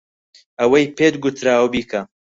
ئەوەی پێت گوتراوە بیکە.